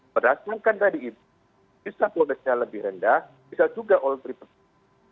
berdasarkan tadi itu bisa progresnya lebih rendah bisa juga all three fold